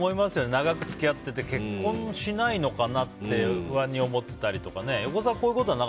長く付き合って結婚しないのかなって不安に思ってたりとかね。